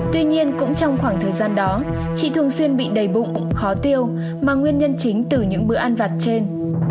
tuy nhiên cũng trong khoảng thời gian đó chị thường xuyên bị đầy bụng khó tiêu mà nguyên nhân chính từ những bữa ăn vặt trên